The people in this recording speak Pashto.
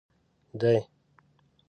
دی.